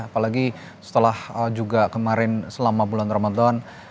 apalagi setelah juga kemarin selama bulan ramadan